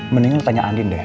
mending lo tanya andin deh